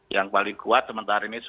memang yang paling kuat sementara ini sumatra